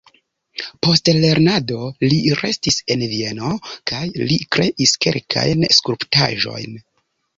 Post lernado li restis en Vieno kaj li kreis kelkajn skulptaĵojn.